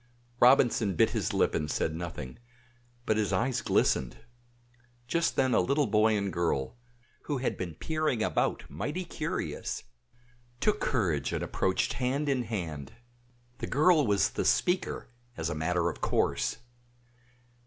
Robinson bit his lip and said nothing, but his eyes glistened; just then a little boy and girl, who had been peering about mighty curious, took courage and approached hand in hand. The girl was the speaker, as a matter of course.